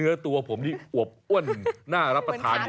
เนื้อตัวผมนี่อวบอ้วนน่ารับประทานอยู่